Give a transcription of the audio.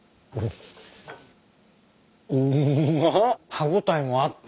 歯応えもあって。